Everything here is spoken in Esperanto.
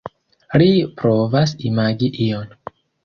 Ri provas imagi ion.